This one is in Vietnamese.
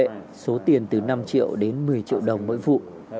tỷ lệ số tiền từ năm triệu đến một mươi triệu đồng mỗi vụ